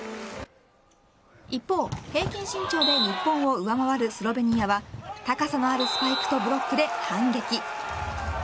一方、平均身長で日本を上回るスロベニアは高さのあるスパイクとブロックで反撃。